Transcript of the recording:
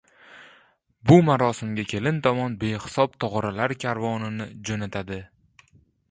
Bu marosimga kelin tomon behisob tog‘oralar karvonini jo‘natadi.